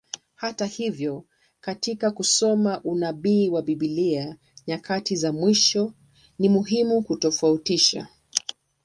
Hata hivyo, katika kusoma unabii wa Biblia nyakati za mwisho, ni muhimu kutofautisha.